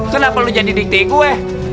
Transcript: kenapa lu jadi dikte gue